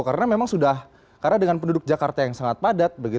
karena memang sudah karena dengan penduduk jakarta yang sangat padat